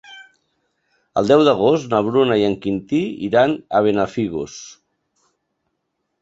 El deu d'agost na Bruna i en Quintí iran a Benafigos.